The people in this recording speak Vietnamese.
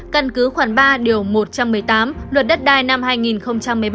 căn cứ khoảng ba điều một trăm một mươi tám luật đất đai năm hai nghìn một mươi ba